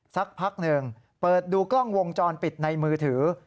สักพักหนึ่งเปิดดูกล้องวงจรปิดในมือถือ